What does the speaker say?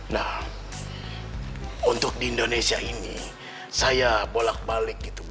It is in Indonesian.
nah untuk di indonesia ini saya bolak balik gitu